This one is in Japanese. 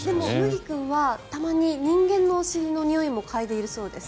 麦君はたまに人間のお尻のにおいも嗅いでいるそうです。